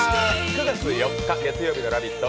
９月４日月曜日の「ラヴィット！」